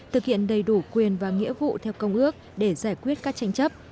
thực hiện đầy đủ quyền và nghĩa vụ theo công ước để giải quyết các tranh chấp